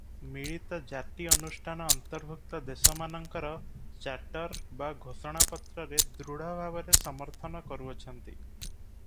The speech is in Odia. ମିଳିତ ଜାତି ଅନୁଷ୍ଠାନ ଅନ୍ତର୍ଭୁକ୍ତ ଦେଶମାନଙ୍କର ଚାର୍ଟର ବା ଘୋଷଣାପତ୍ରରେ ଦୃଢ଼ ଭାବରେ ସମର୍ଥନ କରୁଅଛନ୍ତି ।